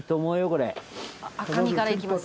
「赤身からいきます」